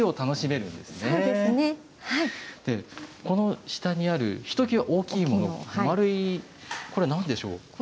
この下にあるひときわ大きいもの丸いこれは何でしょう？